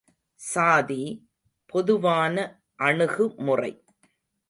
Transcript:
சாதி, பொதுவான அணுகுமுறை.